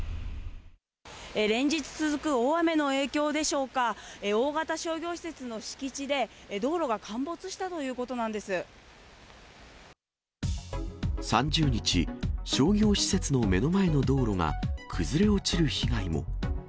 連日続く大雨の影響でしょうか、大型商業施設の敷地で、道路が陥没したということなんで３０日、商業施設の目の前の道路が崩れ落ちる被害も。